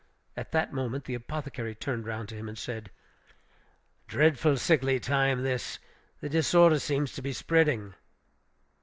At that moment the apothecary turned round to him and said, "Dreadful sickly time, this! The disorder seems to be spreading."